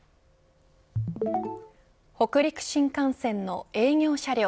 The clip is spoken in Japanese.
北陸新幹線の営業車両